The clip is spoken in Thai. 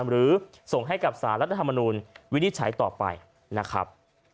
หรือส่งให้กับสารรัฐธรรมนูลวินิจฉัยต่อไปนะครับ